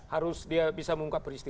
harus dia bisa mengungkap peristiwa